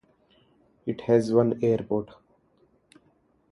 It has one airport.